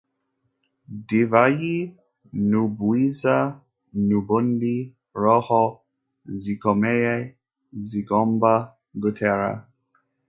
divayi n'ubwiza, nubundi, roho zikomeye zigomba gutera